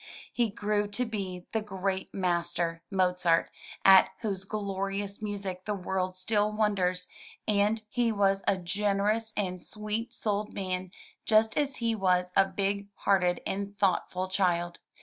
He grew to be the great master, Mozart, at whose glorious music the world still wonders, and he was a generous and sweet souled man, just as he was a big hearted and thoughtful child.